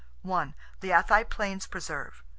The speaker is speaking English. [P] The Athi Plains Preserve.